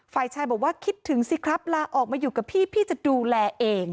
ฝ่ายชายบอกว่าคิดถึงสิครับลาออกมาอยู่กับพี่พี่จะดูแลเอง